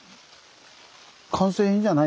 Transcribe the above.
完成品じゃない。